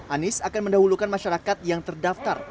anies akan mendahulukan masyarakat yang terdaftar